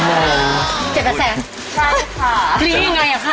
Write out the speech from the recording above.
ประมาณเจ็ดแปดแสนนะครับโอ้โหเจ็ดแปดแสนใช่ค่ะดีไงอ่ะค่ะ